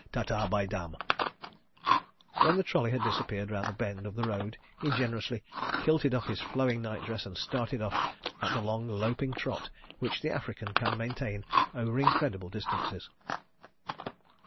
Ta ta by damn!" When the trolley had disappeared round a bend of the road, he generously kilted up his flowing night dress and started off at the long loping trot which the African can maintain over incredible distances.